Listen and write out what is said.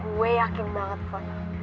gue yakin banget pona